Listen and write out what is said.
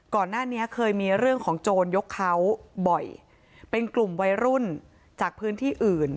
ก่อนหน้านี้เคยมีเรื่องของโจรยกเขาบ่อยเป็นกลุ่มวัยรุ่นจากพื้นที่อื่น